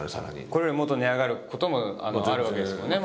これよりもっと値上がることもあるわけですもんね